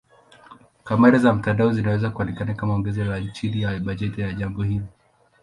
Kamera za mtandao zinaweza kuonekana kama ongezeko ya chini ya bajeti ya jambo hili.